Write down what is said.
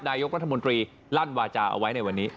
นายกรัฐมนตรีลั่นวาจาเอาไว้ในวันนี้